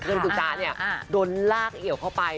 เพราะว่าคุณจ้าเนี่ยโดนลากเหี่ยวเข้าไป